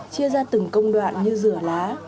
chia ra từng công đoạn như rửa lá